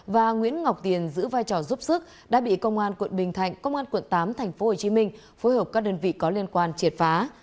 và nguyễn ngọc tiền giữ vai trò giúp sức đã bị công an quận bình thạnh công an quận tám tp hcm phối hợp các đơn vị có liên quan triệt phá